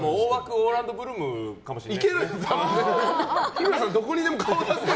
オーランド・ブルームかもしれない。